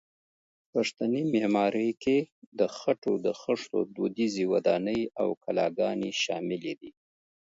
پښتني معمارۍ کې د خټو د خښتو دودیزې ودانۍ او کلاګانې شاملې دي.